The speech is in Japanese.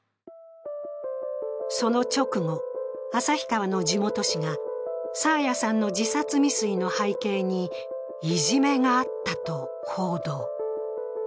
その直後、旭川の地元紙が爽彩さんの自殺未遂の背景に、いじめがあったと報道。